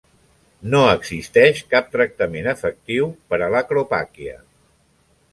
No existeix cap tractament efectiu per a l'acropàquia.